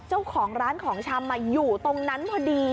เจ้าของร้านของชำอยู่ตรงนั้นพอดี